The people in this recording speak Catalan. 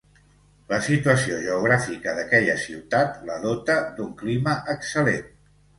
La situació geogràfica d'aquella ciutat la dota d'un clima excel·lent.